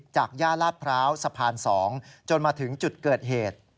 ย่าลาดพร้าวสะพาน๒จนมาถึงจุดเกิดเหตุ